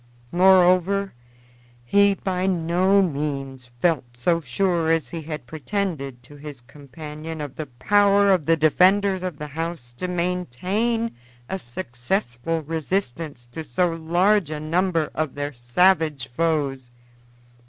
Moreover, he by no means felt so sure as he had pretended to his companion of the power of the defenders of the house to maintain a successful resistance to so large a number of their savage foes.